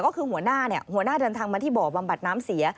ก็คือหัวหน้าเดินทางมาที่เบาะบำบัดน้ำเสีย